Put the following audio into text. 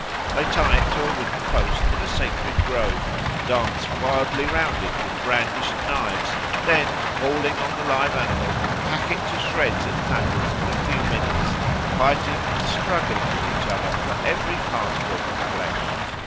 They tie it to a wooden post in a sacred grove, dance wildly round it with brandished knives, then, falling on the living animal, hack it to shreds and tatters in a few minutes, fighting and struggling with each other for every particle of flesh.